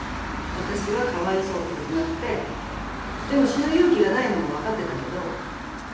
私はかわいそうとかじゃなくてでも死ぬ勇気がないのも分かってたけど。